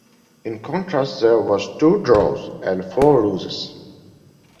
In contrast, there was two draws and four losses.